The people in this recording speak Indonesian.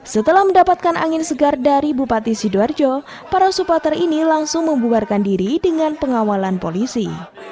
setelah mendapatkan angin segar dari bupati sidoarjo para supporter ini langsung membubarkan diri dengan pengawalan polisi